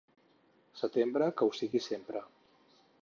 Setembre, que ho sigui sempre.